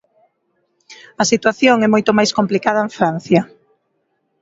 A situación é moito máis complicada en Francia.